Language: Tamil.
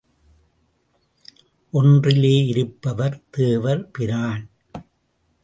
ஒன்றிலே இருப்பவர் தேவர் பிரான்.